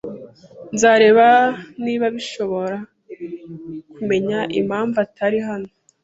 Nzareba niba nshobora kumenya impamvu atari hano.